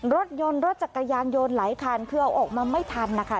รถยนต์รถจักรยานยนต์หลายคันคือเอาออกมาไม่ทันนะคะ